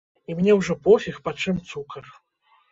І мне ўжо пофіг, па чым цукар.